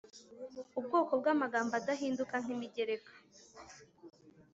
ubwoko bw’amagambo adahinduka nk’imigereka